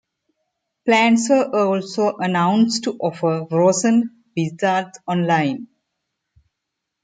Plans were also announced to offer frozen pizzas online.